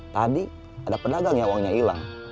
tadi ada pedagang yang uangnya hilang